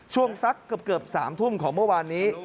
สักเกือบ๓ทุ่มของเมื่อวานนี้